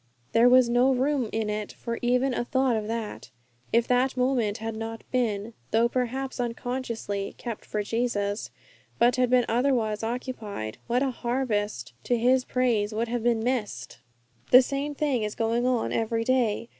There was no room in it for even a thought of that. If that moment had not been, though perhaps unconsciously, 'kept for Jesus,' but had been otherwise occupied, what a harvest to His praise would have been missed! The same thing is going on every day.